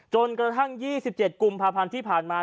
จนกระทั่ง๒๗กุมภาพันธ์ที่ผ่านมา